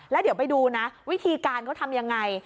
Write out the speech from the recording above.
แล้วเดี๋ยวไปดูนะวิธีการเขาทำยังไง